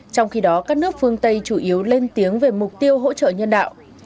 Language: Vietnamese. trong khi đó các nước phương tây chủ yếu lên tiếng về mục tiêu hỗ trợ nhân đạo